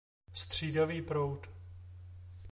Střídavý proud